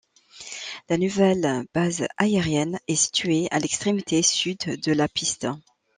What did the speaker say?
La nouvelle base aérienne est située à l'extrémité sud de la piste.